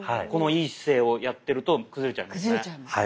この良い姿勢をやってると崩れちゃいますね。